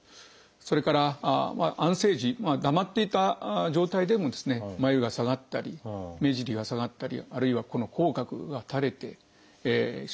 それから安静時黙っていた状態でも眉が下がったり目尻が下がったりあるいはこの口角が垂れてしまうと。